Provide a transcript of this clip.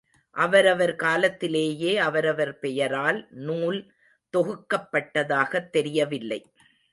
அவரவர் காலத்திலேயே அவரவர் பெயரால் நூல் தொகுக்கப்பட்டதாகத் தெரியவில்லை.